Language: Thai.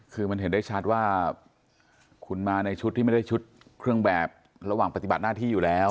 คือมันเห็นได้ชัดว่าคุณมาในชุดที่ไม่ได้ชุดเครื่องแบบระหว่างปฏิบัติหน้าที่อยู่แล้ว